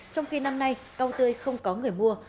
trong khi năm nay cao tươi không có người mua